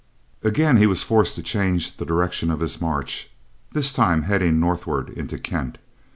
Again he was forced to change the direction of his march, this time heading northward into Kent.